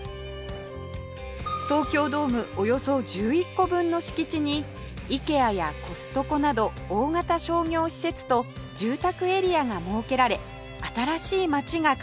東京ドームおよそ１１個分の敷地にイケアやコストコなど大型商業施設と住宅エリアが設けられ新しい町が完成しました